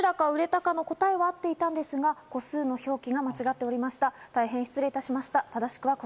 どちらが売れたかの答えは合っていましたが、個数の表記が間違っておりました。